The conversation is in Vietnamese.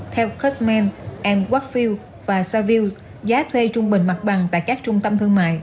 theo custman watfield saville giá thuê trung bình mặt bằng tại các trung tâm thương mại